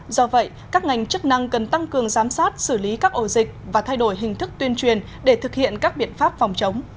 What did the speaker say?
do vậy các ngành chức năng cần tăng cường giám sát xử lý các ổ dịch và thay đổi hình thức tuyên truyền để thực hiện các biện pháp phòng chống